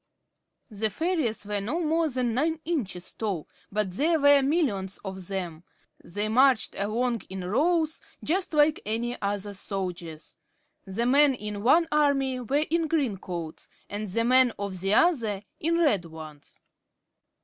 The fairies were no more than nine inches tall, but there were millions of them. They marched along in rows just like any other soldiers. The men of one army were in green coats, and the men of the other in red ones.